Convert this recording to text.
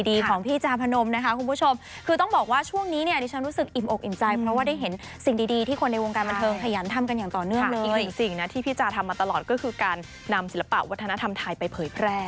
อีกหนึ่งสิ่งที่พี่จารย์ทำมาตลอดก็คือการนำศิลปะวัฒนธรรมไทยไปเผยแพร่